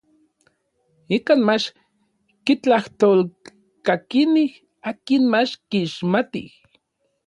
Ikan mach kitlajtolkakinij akin mach kixmatij.